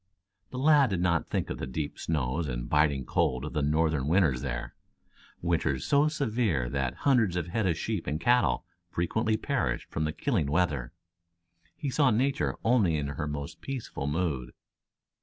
The lad did not think of the deep snows and biting cold of the northern winters there, winters so severe that hundreds of head of sheep and cattle frequently perished from the killing weather. He saw nature only in her most peaceful mood.